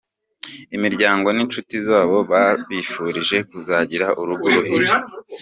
Imiryango n'inshuti zabo babifurije kuzagira urugo ruhire.